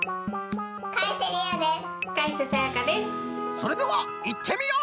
それではいってみよう！